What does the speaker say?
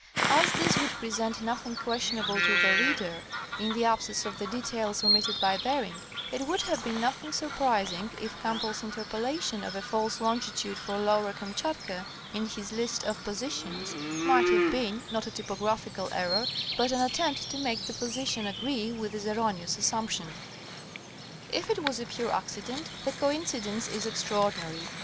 As this would present nothing questionable to the reader, in the absence of the details omitted by Bering, it would have been nothing surprising if Campbell's interpolation of a false longitude for Lower Kam chatka, in his list of positions, might have been, not a typograph ical error, but an attempt to make the position agree with this erroneous assumption. If it was a pure accident, the coincidence is extraordinary.